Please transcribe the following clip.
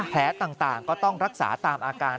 ต่างก็ต้องรักษาตามอาการ